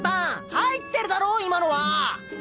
入ってるだろ今のは！